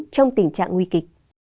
trong tình trạng nguy kịch